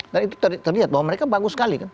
dan itu terlihat bahwa mereka bagus sekali kan